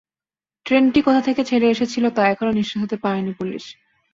ট্রেনটি কোথা থেকে ছেড়ে এসেছিল, তা এখনো নিশ্চিত হতে পারেনি পুলিশ।